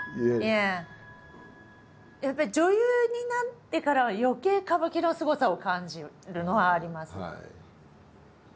やっぱり女優になってからはよけい歌舞伎のすごさを感じるのはあります。